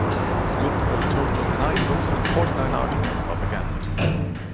Smith wrote a total of nine books and forty-nine articles about the gambit.